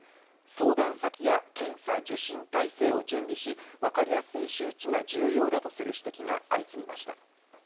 相談先や検査・受診体制を準備し分かりやすい周知が重要だとする指摘が相次ぎました。